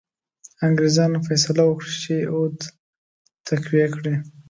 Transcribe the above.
انګرېزانو فیصله وکړه چې اود تقویه کړي.